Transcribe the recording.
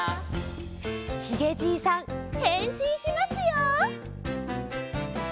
ひげじいさんへんしんしますよ！